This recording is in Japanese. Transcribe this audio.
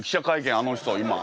あの人今。